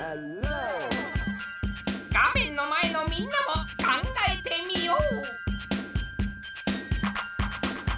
画面の前のみんなも考えてみよう！